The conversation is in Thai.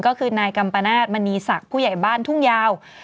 ก็คือนายกัมปนาศมณีศักดิ์ผู้ใหญ่บ้านทุ่งยาว